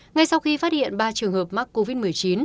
ngay sau khi phát hiện ba trường hợp mắc covid một mươi chín